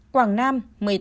quảng nam một mươi tám